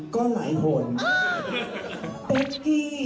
คนแรกโภกโมที่สอง